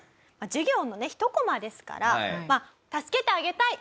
授業のねひとコマですからまあ「助けてあげたい」